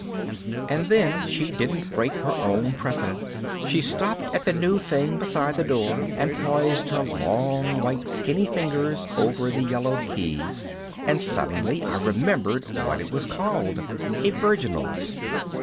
And then she didn't break her own precedent. She stopped at the new thing beside the door and poised her long white skinny fingers over the yellowed keys, and suddenly I remembered what it was called: a virginals.